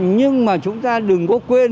nhưng mà chúng ta đừng có quên